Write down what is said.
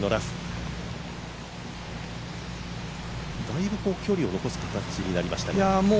だいぶ距離を残す形になりました。